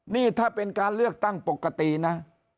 นี่ถ้าเป็นการเลือกตั้งปกตินะ